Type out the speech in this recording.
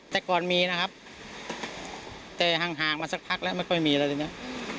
แต่ก่อนมีนะครับแต่ห่างมาสักพักแล้วไม่ค่อยมีแล้วทีนี้